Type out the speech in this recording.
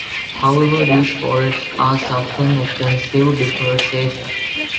However, these forests are suffering extensive deforestation.